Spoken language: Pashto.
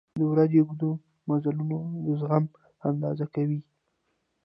• د ورځې اوږده مزلونه د زغم اندازه کوي.